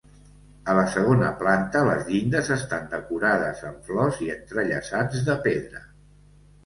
A la segona planta, les llindes estan decorades amb flors i entrellaçats de pedra.